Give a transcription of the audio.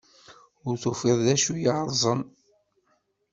Ur tufiḍ d acu yeṛṛeẓen.